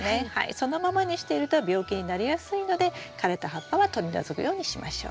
そのままにしていると病気になりやすいので枯れた葉っぱは取り除くようにしましょう。